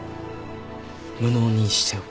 無能にしておく